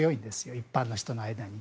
一般の人の間に。